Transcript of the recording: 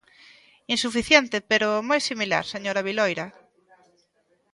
Insuficiente, pero moi similar, señora Viloira.